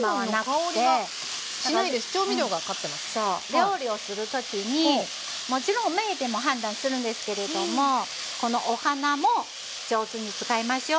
料理をする時にもちろん目でも判断するんですけれどもこのお鼻も上手に使いましょう。